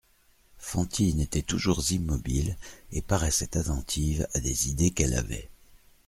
Fantine était toujours immobile et paraissait attentive à des idées qu'elle avait.